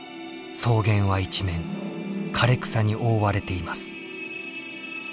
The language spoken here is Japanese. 草原は一面枯れ草に覆われています。